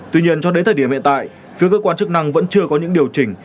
tuy nhiên cho đến thời điểm hiện tại phía cơ quan chức năng vẫn chưa có những điều chỉnh